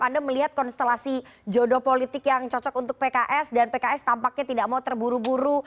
anda melihat konstelasi jodoh politik yang cocok untuk pks dan pks tampaknya tidak mau terburu buru